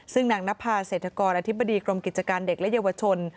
ซึ่งนางนภาเศรษฐกรอธิบดีกรมกิจการเด็กและเยาวชน